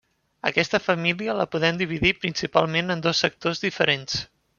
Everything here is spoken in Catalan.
Aquesta família la podem dividir principalment en dos sectors diferents.